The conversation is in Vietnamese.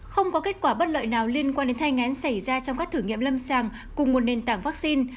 không có kết quả bất lợi nào liên quan đến thai ngán xảy ra trong các thử nghiệm lâm sàng cùng nguồn nền tảng vaccine